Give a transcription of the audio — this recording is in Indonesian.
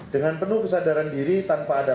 dengan penuh kesadaran diri tanpa ada